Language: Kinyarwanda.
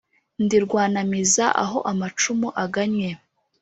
Ndi Rwanamiza aho amacumu agannye